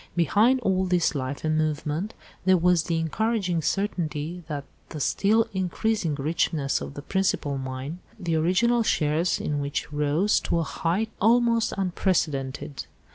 Behind all this life and movement there was the encouraging certainty of the still increasing richness of the principal mine, the original shares in which rose to a height almost unprecedented.